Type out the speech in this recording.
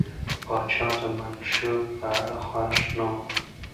پاچا د منشور په اړه خوښ نه و.